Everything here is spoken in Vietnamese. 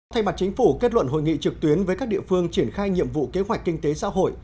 thay mặt chính phủ kết luận hội nghị trực tuyến với các địa phương triển khai nhiệm vụ kế hoạch kinh tế xã hội